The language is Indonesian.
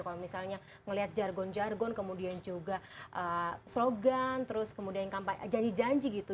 kalau misalnya melihat jargon jargon kemudian juga slogan terus kemudian janji janji gitu